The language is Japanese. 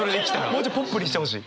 もうちょいポップにしてほしい。